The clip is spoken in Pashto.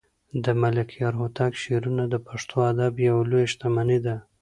د ملکیار هوتک شعرونه د پښتو ادب یوه لویه شتمني ده.